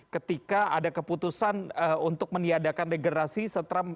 ketika ada keputusan untuk meniadakan degerasi setelah